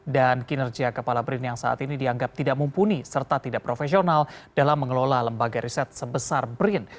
kinerja kepala brin yang saat ini dianggap tidak mumpuni serta tidak profesional dalam mengelola lembaga riset sebesar brin